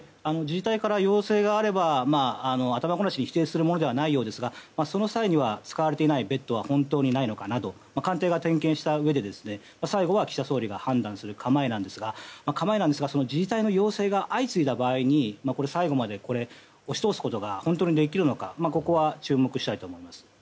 自治体から要請があれば頭ごなしに否定するものではないようですがその際には、使われていないベッドは本当にないのかなど官邸が点検したうえで最後は岸田総理が判断する構えなんですがその自治体の要請が相次いだ場合に最後まで押し通すことが本当にできるのかここは注目したいと思います。